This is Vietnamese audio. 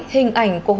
hình ảnh của hồ chí minh